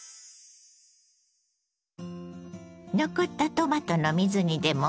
残ったトマトの水煮でもう一品！